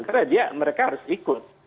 karena dia mereka harus ikut